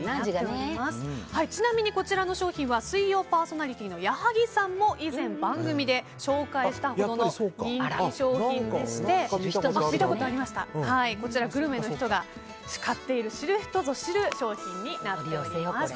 ちなみに、こちらの商品は水曜パーソナリティーの矢作さんも以前番組で紹介したほどの人気商品でしてグルメの人が買っている知る人ぞ知る商品になっています。